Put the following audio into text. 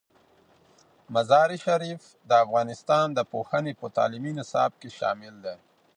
مزارشریف د افغانستان د پوهنې په تعلیمي نصاب کې شامل دی.